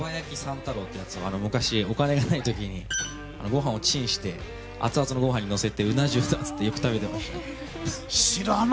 太郎っていうのを昔、お金がないころにご飯をチンして熱々のご飯にのせてうな重だってよく食べてました。